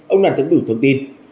ông đoàn tấn bửu thông tin